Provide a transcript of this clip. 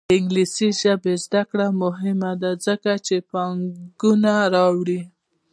د انګلیسي ژبې زده کړه مهمه ده ځکه چې پانګونه راوړي.